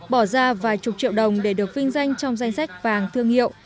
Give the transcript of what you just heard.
bỏ ra vài chục triệu đồng để được vinh danh trong danh sách vàng thương hiệu